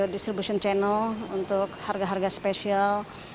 distribution channel untuk harga harga spesial